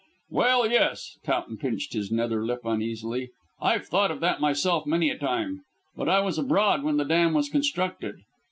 "Well, yes." Towton pinched his nether lip uneasily. "I've thought of that myself many a time. But I was abroad when the dam was constructed.